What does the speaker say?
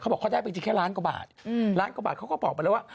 บอกเขาได้ไปจริงแค่ล้านกว่าบาทล้านกว่าบาทเขาก็บอกไปแล้วว่า